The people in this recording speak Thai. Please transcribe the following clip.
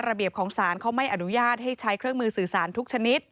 เบียบของศาลเขาไม่อนุญาตให้ใช้เครื่องมือสื่อสารทุกชนิด